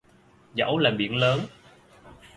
Dẫu là biển lớn